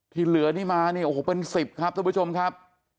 ที่เหลือนี่มาเนี่ยโอ้โหเป็น๑๐ครับทุกผู้ชมครับ